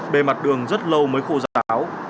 bề mặt đường rất lâu mới khô ráo